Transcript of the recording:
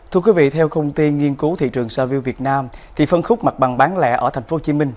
thưa quý vị theo công ty nghiên cứu thị trường savio việt nam phân khúc mặt bằng bán lẻ ở thành phố hồ chí minh